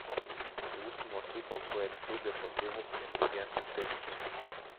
Su último equipo fue el Club Deportivo Estudiantes Tecos.